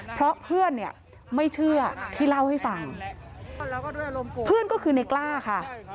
เพราะเพื่อนเนี่ยไม่เชื่อที่เล่าให้ฟังเพื่อนก็คือในกล้าค่ะ